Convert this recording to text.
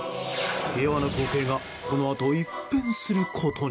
平和な光景がこのあと一変することに。